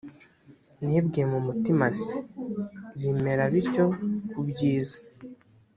nibwiye mu mutima nti bimera bityo kubyiza